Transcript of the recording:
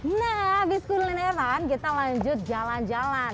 nah habis kulineran kita lanjut jalan jalan